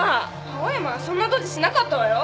青山はそんなドジしなかったわよ。